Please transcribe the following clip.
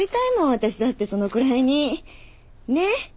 私だってそのくらいに。ねっ。